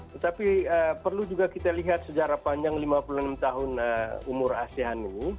tetapi perlu juga kita lihat sejarah panjang lima puluh enam tahun umur asean ini